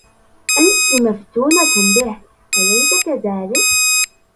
أنتِ مفتونة به أليس كذلك؟